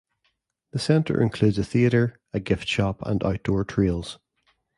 The Center includes a theater, a gift shop and outdoor trails.